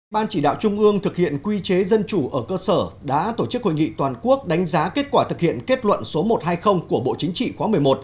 ban chỉ đạo trung ương thực hiện quy chế dân chủ ở cơ sở đã tổ chức hội nghị toàn quốc đánh giá kết quả thực hiện kết luận số một trăm hai mươi của bộ chính trị khóa một mươi một